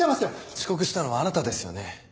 遅刻したのはあなたですよね？